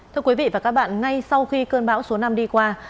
thưa quý vị và các bạn ngay sau khi cơn bão số năm đi qua